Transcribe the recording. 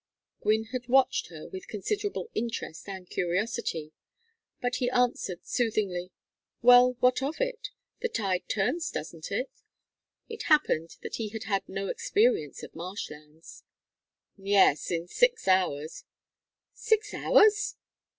Gwynne had watched her with considerable interest and curiosity. But he answered, soothingly: "Well, what of it? The tide turns, doesn't it." It happened that he had had no experience of marsh lands. "Yes in six hours." "Six hours!